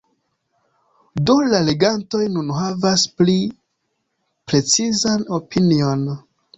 Do la legantoj nun havas pli precizan opinion.